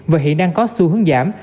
và hiện đang có xu hướng giảm